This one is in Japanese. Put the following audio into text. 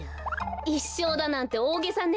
いっしょうだなんておおげさね。